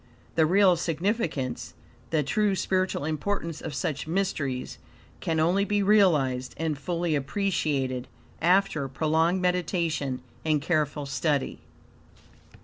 The real significance, the true, spiritual importance of such mysteries, can only be realized and fully appreciated after prolonged meditation and careful study.